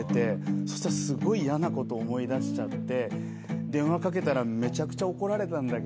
そしたらすごい嫌なこと思い出しちゃって電話かけたらめちゃくちゃ怒られたんだけど。